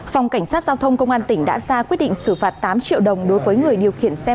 phòng cảnh sát giao thông công an tỉnh đã ra quyết định xử phạt tám triệu đồng đối với người điều khiển xe